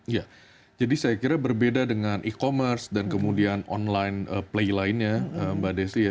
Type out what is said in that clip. ya jadi saya kira berbeda dengan e commerce dan kemudian online play lainnya mbak desi ya